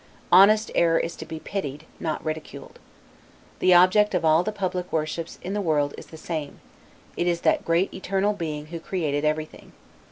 Honest error is to be pitied, not ridiculed. The object of all the public worships in the world is the same; it is that great eternal Being who created everything.